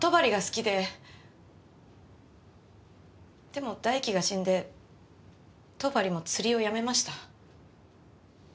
でも大樹が死んで戸張も釣りをやめました。